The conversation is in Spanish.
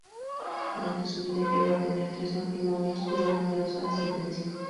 Durante su vida llegó a tener tres matrimonios y una numerosa descendencia.